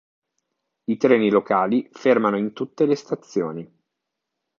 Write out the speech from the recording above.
I treni locali fermano in tutte le stazioni